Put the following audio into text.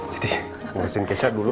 jadi ngelesin keisha dulu